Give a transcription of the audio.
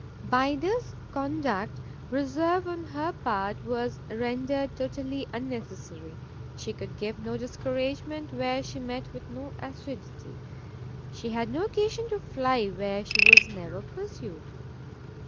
By this conduct, reserve on her part was rendered totally unnecessary; she could give no discouragement where she met with no assiduity; she had no occasion to fly where she was never pursued.